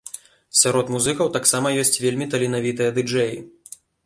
Сярод музыкаў таксама ёсць вельмі таленавітыя ды-джэі.